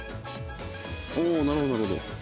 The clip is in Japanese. おおなるほどなるほど。